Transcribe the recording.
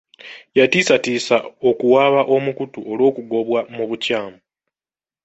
Yatiisatiisa okuwaaba omukutu olw'okugobwa mu bukyamu.